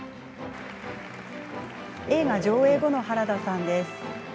映画上映後の原田さんです。